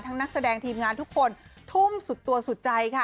นักแสดงทีมงานทุกคนทุ่มสุดตัวสุดใจค่ะ